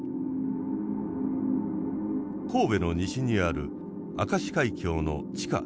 神戸の西にある明石海峡の地下１６ｋｍ。